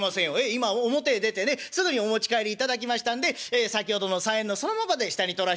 今表へ出てねすぐにお持ち帰りいただきましたんで先ほどの３円のそのままで下に取らせていただきます」。